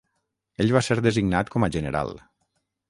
Ell va ser designat com a general.